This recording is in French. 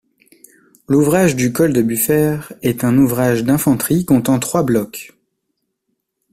L'ouvrage du Col-de-Buffére est un ouvrage d'infanterie comptant trois blocs.